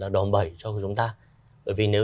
đòn bẩy cho chúng ta bởi vì nếu